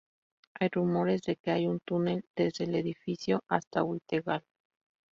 Hay rumores de que hay un túnel desde el edificio hasta Whitehall.